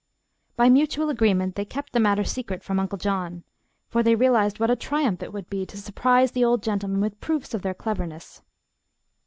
By mutual agreement they kept the matter secret from Uncle John, for they realized what a triumph it would be to surprise the old gentleman with proofs of their cleverness.